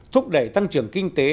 thúc đẩy tăng trưởng kinh tế